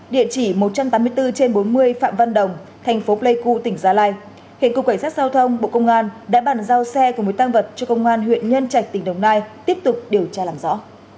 địa chỉ một trăm tám mươi bốn trên bốn mươi phạm văn đồng thành phố pleiku tỉnh gia lai hiện cục cảnh sát giao thông bộ công an đã bàn giao xe cùng một tăng vật cho công an huyện nhân trạch tỉnh đồng nai tiếp tục điều tra làm rõ